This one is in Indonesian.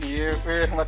mereka cuma bercanda kok